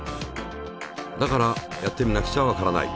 だからやってみなくちゃわからない。